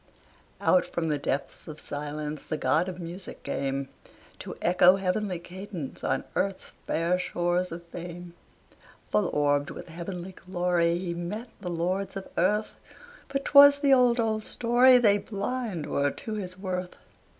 Out from the depths of silence The god of music came, To echo heavenly cadence On earth's fair shores of fame. Full orbed, with heavenly glory, He met the lords of earth. But 'twas the old, old story, They blind were to his worth.